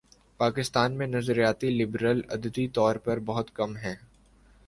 پاکستان میں نظریاتی لبرل عددی طور پر بہت کم ہیں۔